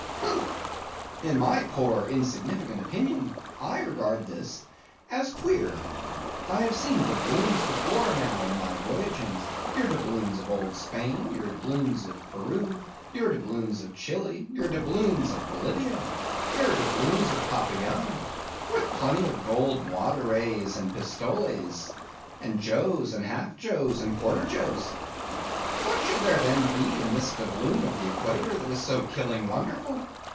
Humph! in my poor, insignificant opinion, I regard this as queer. I have seen doubloons before now in my voyagings; your doubloons of old Spain, your doubloons of Peru, your doubloons of Chili, your doubloons of Bolivia, your doubloons of Popayan; with plenty of gold moidores and pistoles, and joes, and half joes, and quarter joes. What then should there be in this doubloon of the Equator that is so killing wonderful?